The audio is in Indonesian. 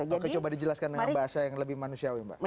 oke coba dijelaskan dengan bahasa yang lebih manusiawi mbak